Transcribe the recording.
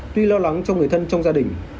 tuy lo lắng cho người thân trong gia đình